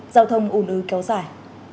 giao thông ủn ưu kéo dài